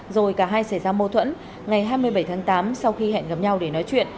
rồi cả hai xảy ra mâu thuẫn ngày hai mươi bảy tháng tám sau khi hẹn gặp nhau để nói chuyện